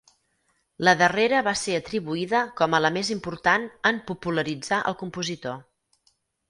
La darrera va ser atribuïda com a la més important en popularitzar el compositor.